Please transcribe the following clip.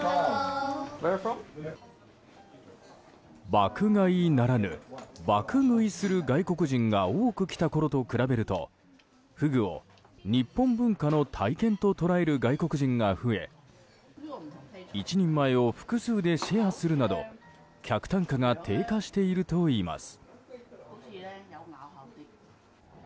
爆買いならぬ爆食いする外国人が多く来たころと比べるとフグを日本文化の体験と捉える外国人が増え１人前を複数でシェアするなど客単価が低下しているといいます。